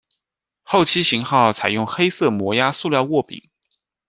后期型号采用黑色模压塑料握柄。